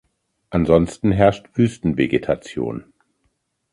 Ansonsten herrscht Wüstenvegetation.